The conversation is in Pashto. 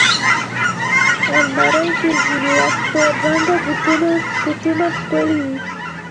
الماري کې ځینې وخت تور رنګه کوټونه ښکلي وي